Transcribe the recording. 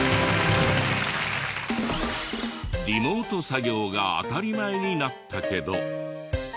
リモート作業が当たり前になったけど。